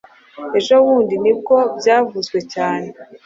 ejobundi nibwo byavuzwe cyane